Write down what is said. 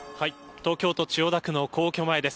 東京都千代田区の皇居前です。